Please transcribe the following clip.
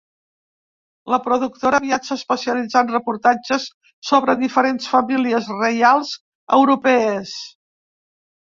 La productora aviat s'especialitzà en reportatges sobre diferents famílies reials europees.